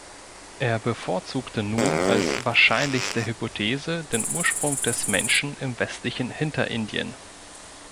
Er bevorzugte nun als wahrscheinlichste Hypothese den Ursprung des Menschen im westlichen Hinterindien.